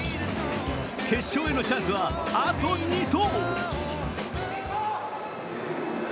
決勝へのチャンスは、あと２投。